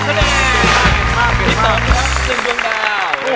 ตอบครับจึงตรงเดา